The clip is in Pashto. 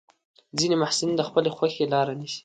ځینې محصلین د خپلې خوښې لاره نیسي.